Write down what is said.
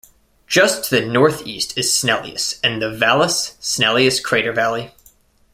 Just to the northeast is Snellius and the Vallis Snellius crater valley.